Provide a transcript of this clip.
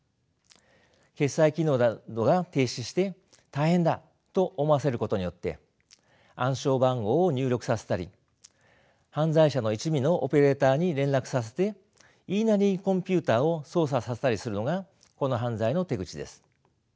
決済機能などが停止して大変だと思わせることによって暗証番号を入力させたり犯罪者の一味のオペレーターに連絡させて言いなりにコンピューターを操作させたりするのがこの犯罪の手口です。